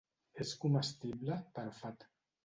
És comestible però fat.